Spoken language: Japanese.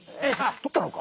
とったのか。